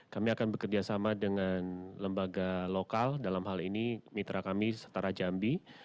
kami akan bekerjasama dengan lembaga lokal dalam hal ini mitra kami setara jambi